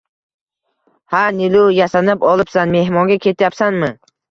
Ha, Nilu, yasanib olibsan, mehmonga ketyapsanmi?